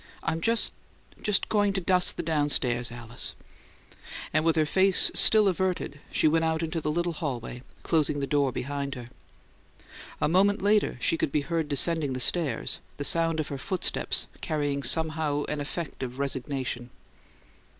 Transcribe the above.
"I'm just just going to dust the downstairs, Alice." And with her face still averted, she went out into the little hallway, closing the door behind her. A moment later she could be heard descending the stairs, the sound of her footsteps carrying somehow an effect of resignation.